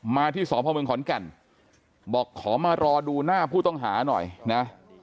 มาที่สพเมืองขอนแก่นบอกขอมารอดูหน้าผู้ต้องหาหน่อยนะ